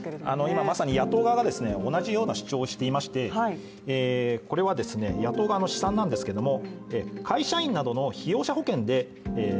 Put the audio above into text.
今まさに野党側が同じような主張をしていましてこれは野党側の試算なんですけれども。